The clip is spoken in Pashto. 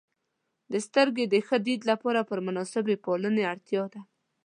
• سترګې د ښه دید لپاره پر مناسبې پالنې اړتیا لري.